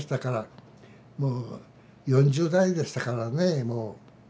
もう４０代でしたからね。